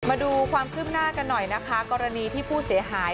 มาดูความคืบหน้ากันหน่อยนะคะกรณีที่ผู้เสียหาย